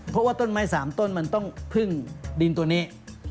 เพราะว่าต้นไม้๓ต้นมันต้องพึ่งดินตัวนี้